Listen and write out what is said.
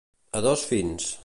A dos fins.